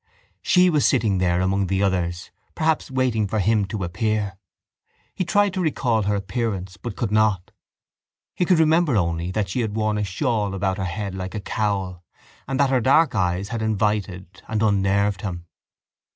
She was sitting there among the others perhaps waiting for him to appear. He tried to recall her appearance but could not. He could remember only that she had worn a shawl about her head like a cowl and that her dark eyes had invited and unnerved him.